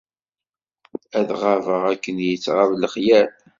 Ad ɣabeɣ akken yettɣab lexyal.